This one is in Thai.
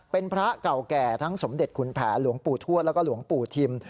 เป็นพระเก่าแก่ทั้งสมเด็จขุนแผนหลวงปู่ทวดแล้วก็หลวงปู่ทิม